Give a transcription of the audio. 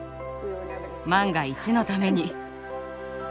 万が一のために。